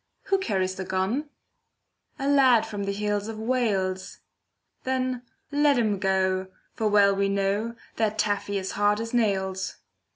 Who carries the gun? A lad from the hills of Wales. Then let him go, for well we know, That Taffy is hard as nails.